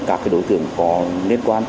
các đối tượng có liên quan